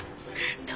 どう？